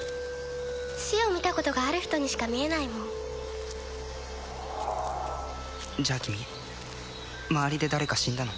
死を見たことがある人にしか見えないもんじゃあ君周りで誰か死んだの？